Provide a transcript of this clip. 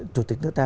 chủ tịch nước ta